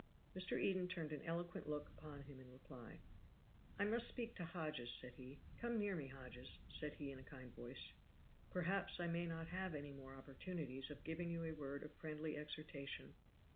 Mr. Eden turned an eloquent look upon him in reply. "I must speak to Hodges," said he. "Come near me, Hodges," said he in a kind voice, "perhaps I may not have any more opportunities of giving you a word of friendly exhortation."